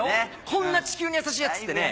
こんな地球に優しいヤツってね